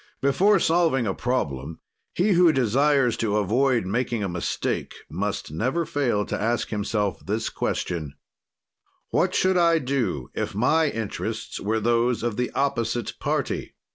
Before solving a problem, he who desires to avoid making a mistake must never fail to ask himself this question: What should I do if my interests were those of the opposite party?